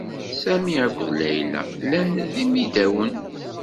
Sami akked Layla llan d-imidawen.